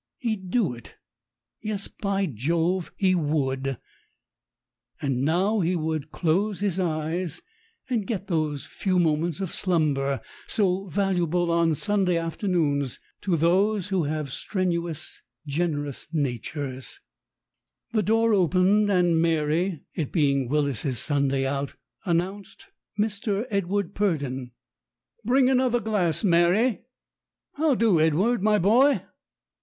He'd do it. Yes, by Jove! he would. And now he would close THE 'EIGHTY SEVEN 71 his eyes and get those few moments of slumber so valuable on Sunday afternoons to strenuous generous natures who have The door opened, and Mary (it being Willis's Sun day out) announced Mr. Edward Purdon. "Bring another glass, Mary. How'do, Edward, my boy?"